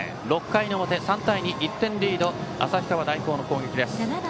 ６回の表、３対２１点リードの旭川大高の攻撃です。